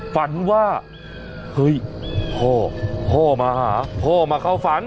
ฝันว่าเฮ้ยพ่อพ่อมาหาพ่อมาเข้าฝัน